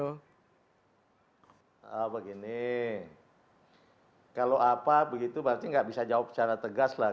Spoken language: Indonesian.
oh begini kalau apa begitu berarti nggak bisa jawab secara tegas lah